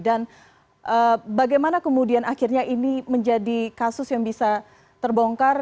dan bagaimana kemudian akhirnya ini menjadi kasus yang bisa terbongkar